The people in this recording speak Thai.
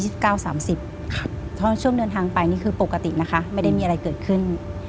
เพราะช่วงเดินทางไปนี่คือปกตินะคะไม่ได้มีอะไรเกิดขึ้น